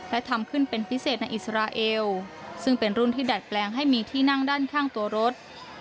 และทำขึ้นเป็นพิเศษในอิสราเอลซึ่งเป็นรุ่นที่ดัดแปลงให้มีที่นั่งด้านข้างตัวรถ